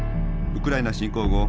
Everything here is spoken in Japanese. ウクライナ侵攻後